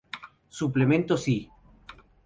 Suplemento Sí!